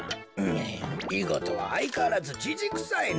いごとはあいかわらずじじくさいのぉ。